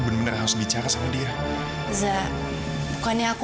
terima kasih bapak